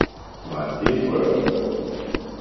Nej, det er frøerne!